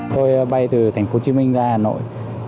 tôi bay từ thành phố hồ chí minh ra hà nội